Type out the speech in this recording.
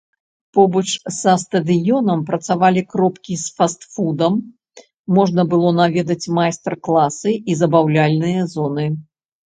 Побач са стадыёнам працавалі кропкі з фаст-фудам, можна было наведаць майстар-класы і забаўляльныя зоны.